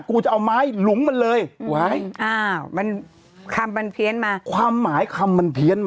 กูจะเอาไม้หลุมมันเลยว้ายอ้าวมันคำมันเพี้ยนมาความหมายคำมันเพี้ยนมา